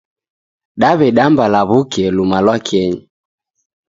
Dewedamba lawuke lumalwakenyi